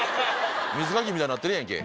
水かきみたいになってるやんけ。